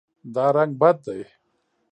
دا رنګ بد دی